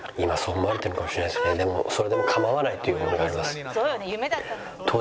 でもそれでも構わないという思いがあります。